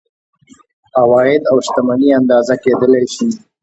عواید او شتمني اندازه کیدلی شي.